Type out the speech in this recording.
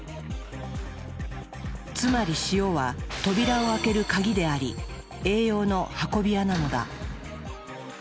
つまり塩は扉を開ける「鍵」であり「栄養の運び屋」なのだ。